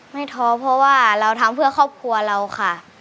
ท้อเพราะว่าเราทำเพื่อครอบครัวเราค่ะ